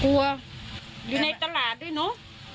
เกิดว่าจะต้องมาตั้งโรงพยาบาลสนามตรงนี้